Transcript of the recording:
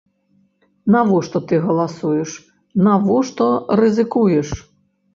Навошта ты галасуеш, навошта рызыкуеш?